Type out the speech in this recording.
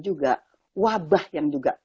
juga wabah yang juga